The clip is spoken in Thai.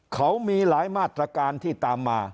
เขามีหลายมาตรการที่ตามมา